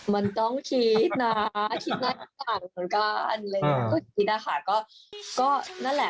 มันต้องคิดนะคิดน่ากล่างของการเลย